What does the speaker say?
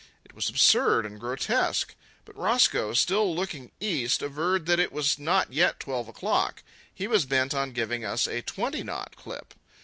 It was absurd and grotesque. But Roscoe, still looking east, averred that it was not yet twelve o'clock. He was bent on giving us a twenty knot clip.